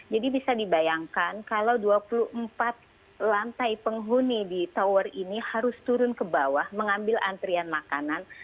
jadi bisa dibayangkan kalau dua puluh empat lantai penghuni di tower ini harus turun ke bawah mengambil antrian makanan